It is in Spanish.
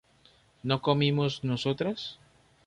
¿no comimos nosotras?